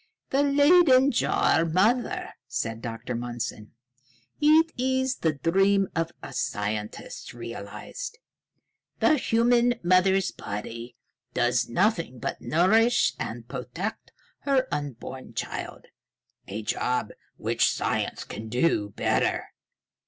"The Leyden jar mother," said Dr. Mundson. "It is the dream of us scientists realized. The human mother's body does nothing but nourish and protect her unborn child, a job which science can do better.